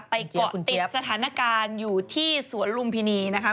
เกาะติดสถานการณ์อยู่ที่สวนลุมพินีนะคะ